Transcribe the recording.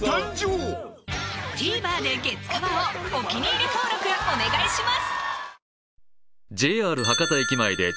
ＴＶｅｒで「月カワ」をお気に入り登録お願いします！